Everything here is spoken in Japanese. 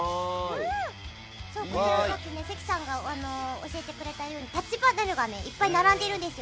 さっき関さんが教えてくれたようにタッチパネルがいっぱい並んでるんですよ。